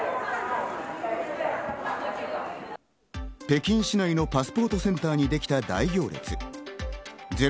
北京市内のパスポートセンターにできた大行列。